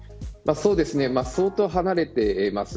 相当離れています。